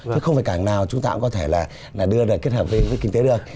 thế không phải cảng nào chúng ta cũng có thể là đưa ra kết hợp với kinh tế được